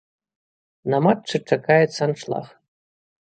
На матчы чакаецца аншлаг.